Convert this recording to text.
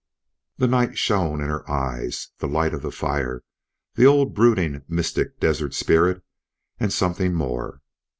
The night shone in her eyes, the light of the fire, the old brooding mystic desert spirit, and something more.